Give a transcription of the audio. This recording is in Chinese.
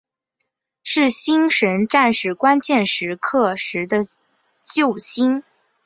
是星神战士关键时刻时的救星。